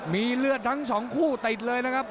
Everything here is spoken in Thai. มีเลือดทั้งสองคู่ติดเลยนะครับ